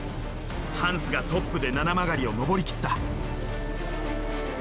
ハンスがトップで七曲がりを上り切った。